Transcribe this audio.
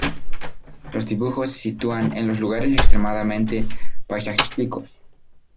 Los dibujos se sitúan en los lugares extremadamente paisajísticos.